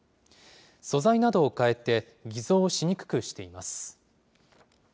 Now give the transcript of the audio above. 素材などを変えて、偽造をしにくくしています。